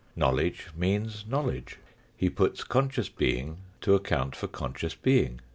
Knowledge means knowledge ; he puts conscious being to account for conscious being.